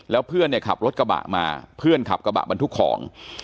แล้วเพื่อนเนี่ยขับรถกระบะมาเพื่อนขับกระบะบรรทุกของ